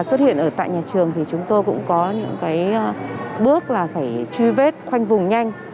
xuất hiện ở tại nhà trường thì chúng tôi cũng có những cái bước là phải truy vết khoanh vùng nhanh